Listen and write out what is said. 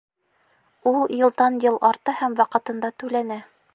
Ул йылдан-йыл арта һәм ваҡытында түләнә.